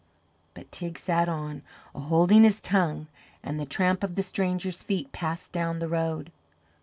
But Teig sat on, a holding his tongue; and the tramp of the strangers' feet passed down the road.